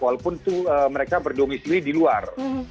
walaupun mereka berdungis di luar